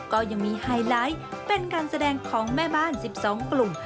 ก็ยังมีไฮไลท์เป็นการแสดงของแม่บ้าน๑๒กลุ่ม